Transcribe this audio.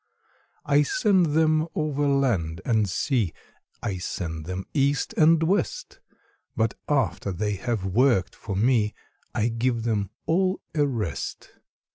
I send them over land and sea, I send them east and west; But after they have worked for me, I give them all a rest.